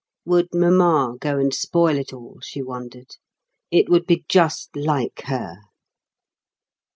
Would mamma go and spoil it all? she wondered. It would be just like her.